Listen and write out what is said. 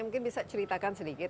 mungkin bisa ceritakan sedikit